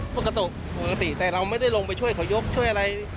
ปกติปกติแต่เราไม่ได้ลงไปช่วยเขายกช่วยอะไร